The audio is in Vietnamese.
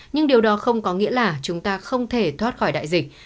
nhưng điều đó không có nghĩa là chúng ta không thể thoát khỏi đại dịch